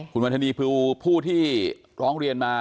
คุณวันธนีภูผู้ที่ร้องเรียนมา